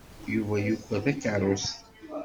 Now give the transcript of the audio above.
Yuba yuker takeṛṛust.